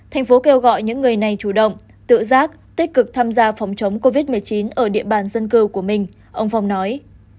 thành phố kêu gọi những người này chủ động tự giác tích cực tham gia phòng chống covid một mươi chín ở địa bàn dân cư của mình ông phong nói